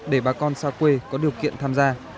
để bà con xa quê có điều kiện tham gia